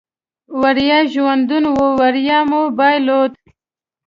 وړیا ژوندون و، وړیا مې بایلود